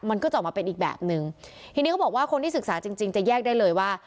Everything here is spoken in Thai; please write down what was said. มันก็จะออกมาเป็นอีกแบบนึงทีนี้เขาบอกว่าคนที่ศึกษาจริงจริงจะแยกได้เลยว่า